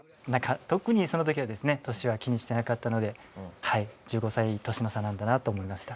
特にその時はですね年は気にしてなかったのではい１５歳年の差なんだなと思いました。